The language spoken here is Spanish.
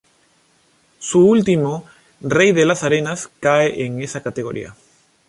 Su último, Rey de las Arenas, cae en esa categoría.